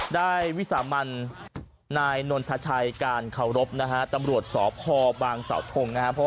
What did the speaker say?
ด้ายวิสามัญนายนทัชัยกาลเข้ารพ